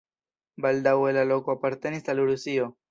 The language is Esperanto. Baldaŭe la loko apartenis al Rusio.